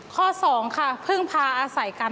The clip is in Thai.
ข้อ๒ค่ะพึ่งพาอาศัยกัน